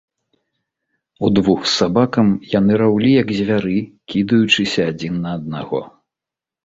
Удвух з сабакам яны раўлі, як звяры, кідаючыся адзін на аднаго.